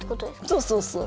そうそうそう。